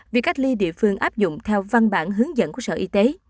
việc cách ly địa phương áp dụng theo văn bản hướng dẫn của sở y tế